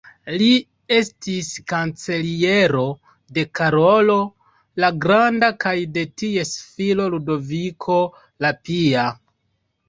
Li estis kanceliero de Karolo la Granda kaj de ties filo Ludoviko la Pia.